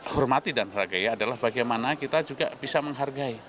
hormati dan hargai adalah bagaimana kita juga bisa menghargai